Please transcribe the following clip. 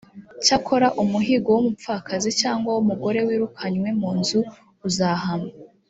cyakora, umuhigo w’umupfakazi cyangwa w’umugore wirukanywe mu nzu uzahama.